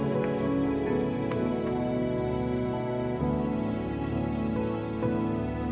mana hari ini harus kerjain karya tulis matematika lagi